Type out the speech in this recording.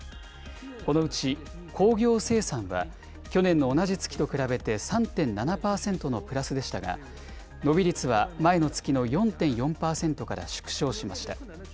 このうち工業生産は、去年の同じ月と比べて３．７％のプラスでしたが、伸び率は前の月の４．４％から縮小しました。